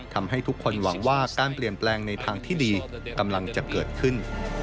ทำให้ทุกคนหวังว่าการเปลี่ยนแปลงในทางที่ดีกำลังจะเกิดขึ้น